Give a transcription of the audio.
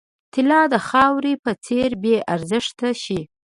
طلا د خاورې په څېر بې ارزښته شي.